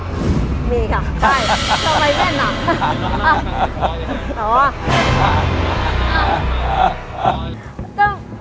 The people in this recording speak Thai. มีค่ะใช่ทำไมแม่นอ่ะ